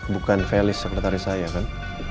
bukan felix sepertari saya kan